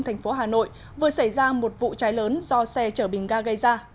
thành phố hà nội vừa xảy ra một vụ cháy lớn do xe chở bình ga gây ra